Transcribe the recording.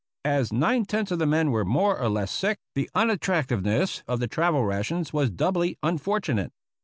As nine tenths of the men were more or less sick, the unattractiveness of the travel rations was doubly unfortunate.